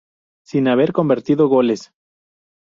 Sin haber convertido goles.